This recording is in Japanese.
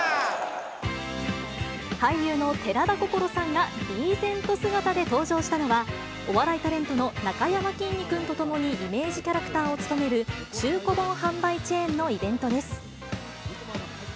俳優の寺田心さんがリーゼント姿で登場したのは、お笑いタレントのなかやまきんに君と共にイメージキャラクターを務める、中古本販売チェーンのイベントです。